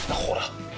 ほら！